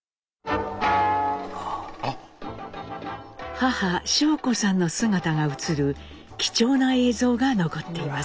母尚子さんの姿が映る貴重な映像が残っています。